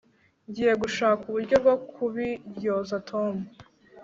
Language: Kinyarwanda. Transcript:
ngiye gushaka uburyo bwo kubiryoza tom